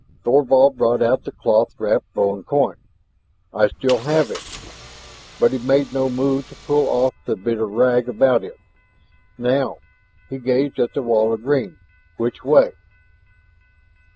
Thorvald brought out the cloth wrapped bone coin. "I still have it." But he made no move to pull off the bit of rag about it. "Now" he gazed at the wall of green "which way?"